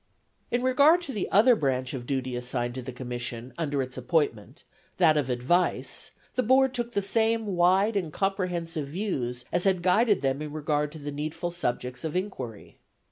In regard to the other branch of duty assigned to the Commission under its appointment, that of "advice," the Board took the same wide and comprehensive views as had guided them in regard to the needful subjects of inquiry.